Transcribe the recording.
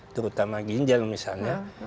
terutama ginjal misalnya